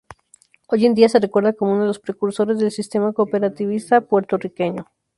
Hoy día se recuerda como uno de los precursores del sistema cooperativista puertorriqueño.